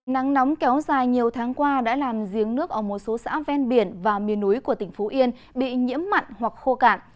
nắng nóng kéo dài nhiều tháng qua đã làm giếng nước ở một số xã ven biển và miền núi của tỉnh phú yên bị nhiễm mặn hoặc khô cạn